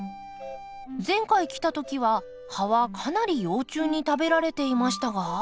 前回来た時は葉はかなり幼虫に食べられていましたが。